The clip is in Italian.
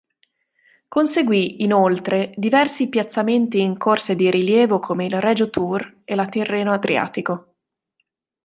Conseguì inoltre diversi piazzamenti in corse di rilievo come il Regio-Tour e la Tirreno-Adriatico.